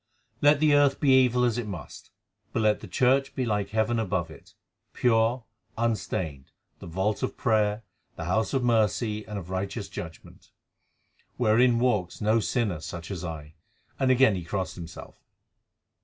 Let the earth be evil as it must; but let the Church be like heaven above it, pure, unstained, the vault of prayer, the house of mercy and of righteous judgment, wherein walks no sinner such as I," and again he crossed himself.